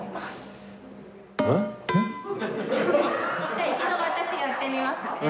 じゃあ一度私がやってみますね。